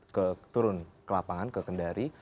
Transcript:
ke turun ke lapangan ke kendari